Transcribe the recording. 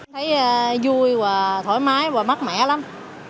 thấy vui và thoải mái và mát mẻ lắm